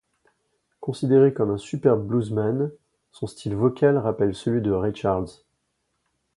Considéré comme un superbe bluesman, son style vocal rappelle celui de Ray Charles.